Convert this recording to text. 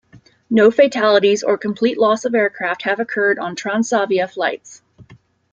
No fatalities or complete loss of aircraft have occurred on Transavia flights.